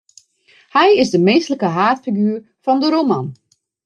Hy is de minsklike haadfiguer fan de roman.